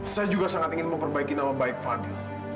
saya juga sangat ingin memperbaiki nama baik fadil